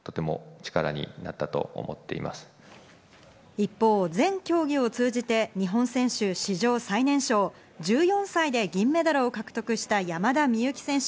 一方、全競技を通じて日本選手史上最年少、１４歳で銀メダルを獲得した山田美幸選手。